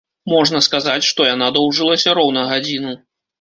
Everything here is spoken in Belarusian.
Можна сказаць, што яна доўжылася роўна гадзіну.